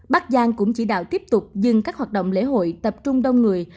bắc giang cũng chỉ đạo tiếp tục dừng các hoạt động lễ hội tập trung đông người